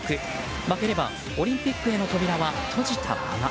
負ければオリンピックへの扉は閉じたまま。